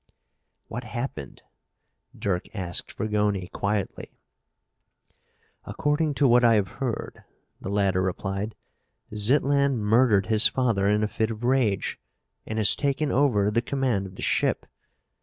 "What happened?" Dirk asked Fragoni quietly. "According to what I have heard," the latter replied, "Zitlan murdered his father in a fit of rage, and has taken over the command of the ship.